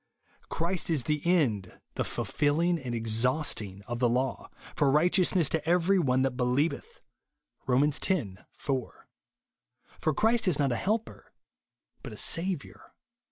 " Christ is the end (the fulfilHng and exhausting) of the law, for righteousness to every one that be lieveth," (Rom. x. 4). For Christ ifj not a helper, but a Saviour.